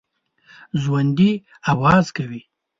ژوندي آواز کوي